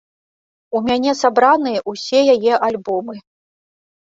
У мяне сабраныя ўсе яе альбомы.